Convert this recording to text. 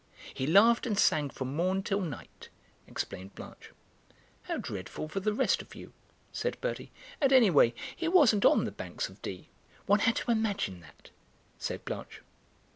"'He laughed and sang from morn till night,'" explained Blanche. "How dreadful for the rest of you," said Bertie; "and anyway he wasn't on the banks of Dee." "One had to imagine that," said Blanche.